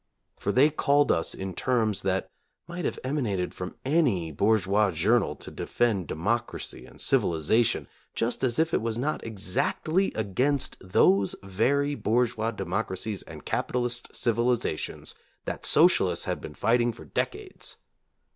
For they called us in terms that might have emanated from any bourgeois journal to defend democracy and civilization, just as if it was not exactly against those very bourgeois democracies and capitalist civilizations that socialists had been fighting for decades.